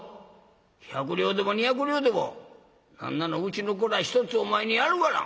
百両でも２百両でも何ならうちの蔵１つお前にやるがな。